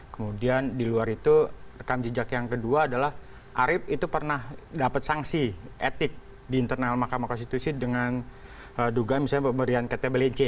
kemudian di luar itu rekam jejak yang kedua adalah arief itu pernah dapat sanksi etik di internal mahkamah konstitusi dengan dugaan misalnya pemberian ktblc